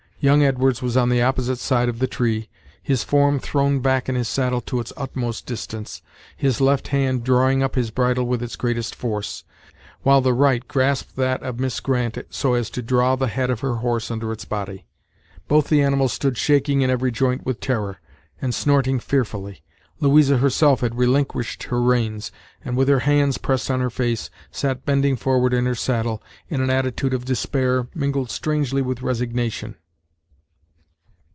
Young Edwards was on the opposite side of the tree, his form thrown back in his saddle to its utmost distance, his left hand drawing up his bridle with its greatest force, while the right grasped that of Miss Grant so as to draw the head of her horse under its body. Both the animals stood shaking in every joint with terror, and snorting fearfully. Louisa herself had relinquished her reins, and, with her hands pressed on her face, sat bending forward in her saddle, in an attitude of despair, mingled strangely with resignation.